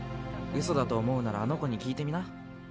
うそだと思うならあの子に聞いてみな。